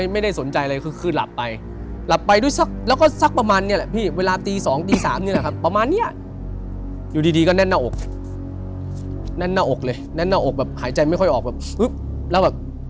มึงไม่รู้ละอะไรอย่างเงี้ยพอเข้าไปนอนปุ๊บ